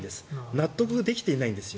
納得できてないんです。